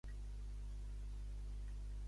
Es diu Leo: ela, e, o.